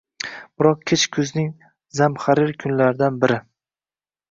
Biroq kech kuzning zamharir kunlaridan biri.